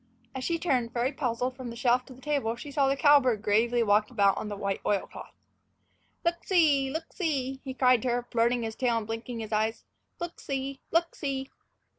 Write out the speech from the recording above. As she turned, very puzzled, from the shelf to the table, she saw the cowbird gravely walking about on the white oil cloth. "Look see! look see!" he cried to her, flirting his tail and blinking his eyes. "Look see! look see!"